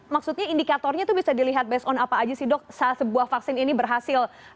maksudnya indikatornya itu bisa dilihat based on apa aja sih dok saat sebuah vaksin ini berhasil